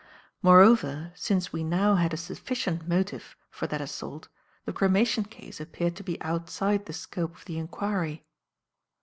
Moreover, since we now had a sufficient motive for that assault the cremation case appeared to be outside the scope of the inquiry.